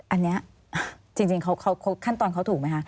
อันนี้จริงเขาขั้นตอนเขาถูกไหมคะ